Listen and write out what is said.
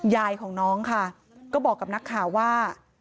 ยายของน้องค่ะก็บอกกับนักข่าวว่า